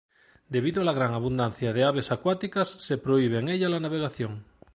Debido a la gran abundancia de aves acuáticas, se prohíbe en ella la navegación.